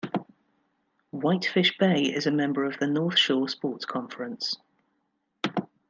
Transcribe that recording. Whitefish Bay is a member of the North Shore Sports Conference.